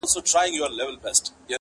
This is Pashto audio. یو قابیل دی بل هابیل سره جنګیږي -